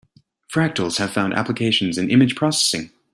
Fractals have found applications in image processing.